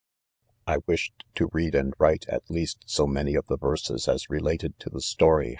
I: wished to. read and write, at least, so .ma ny.' of the verses as related to the story half THE